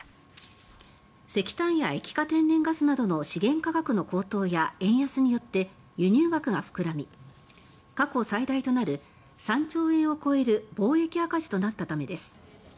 石炭や液化天然ガスなどの資源価格の高騰や円安によって輸入額が膨らみ過去最大となる３兆円を超える貿易赤字となったためです。